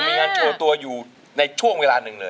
มีงานโชว์ตัวอยู่ในช่วงเวลาหนึ่งเลย